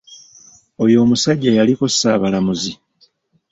Oyo omusajja yaliko ssaabalamuzi.